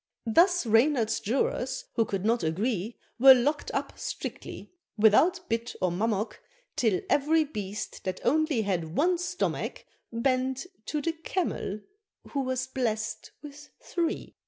Thus Reynard's Jurors, who could not agree, Were lock'd up strictly, without bit or mummock, Till every Beast that only had one stomach, Bent to the Camel, who was blest with three.